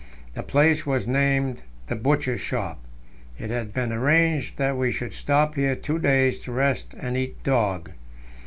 The place was named the "Butcher's Shop." It had been arranged that we should stop here two days to rest and eat dog.